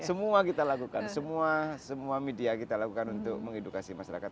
semua kita lakukan semua media kita lakukan untuk mengedukasi masyarakat